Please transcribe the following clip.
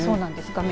画面